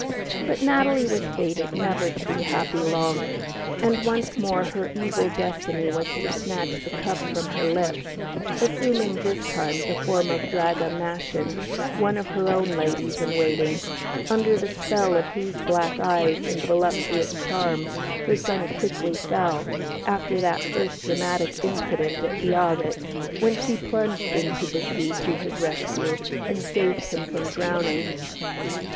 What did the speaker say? But Natalie was fated never to be happy long, and once more her evil Destiny was to snatch the cup from her lips, assuming this time the form of Draga Maschin, one of her own ladies in waiting, under the spell of whose black eyes and voluptuous charms her son quickly fell, after that first dramatic incident at Biarritz, when she plunged into the sea to his rescue and saved him from drowning.